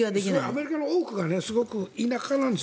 アメリカの多くのところは田舎なんです。